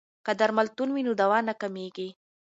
که درملتون وي نو دوا نه کمیږي.